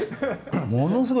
ものすごい